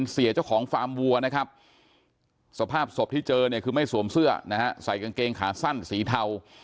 สภาพศพที่เจอคือไม่สวมเสื้อใส่กางเกงขาสั้นสีเทา